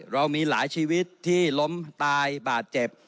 เรามีหลายชีวิตที่ล้มตายบาดเจ็บ